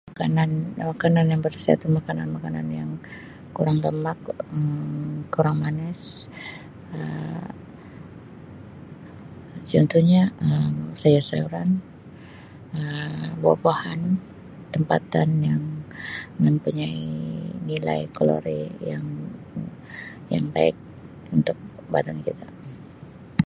Makanan-makanan yang berkhasiat tu makanan-makanan yang kurang berlemak, Um kurang manis, Um contohnya Um sayur-sayuran, Um buah-buahan tempatan yang mempunyai nilai kalori yang baik untuk badan kita.